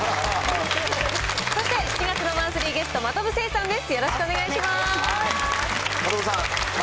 そして７月のマンスリーゲスト、真飛聖さんです。